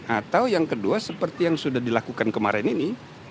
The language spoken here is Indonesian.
atau yang kedua seperti yang sudah dilakukan kemarin ini